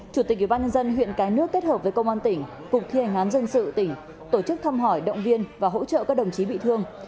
chủ tịch ubnd huyện cái nước kết hợp với công an tỉnh cục thi hành án dân sự tỉnh tổ chức thăm hỏi động viên và hỗ trợ các đồng chí bị thương